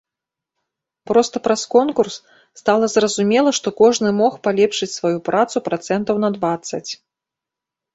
Проста праз конкурс стала зразумела, што кожны мог палепшыць сваю працу працэнтаў на дваццаць.